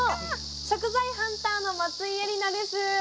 食材ハンターの松井絵里奈です。